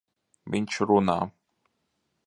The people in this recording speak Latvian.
Viņš runā!